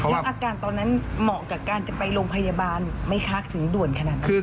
แล้วอาการตอนนั้นเหมาะกับการจะไปโรงพยาบาลไหมคะถึงด่วนขนาดนั้น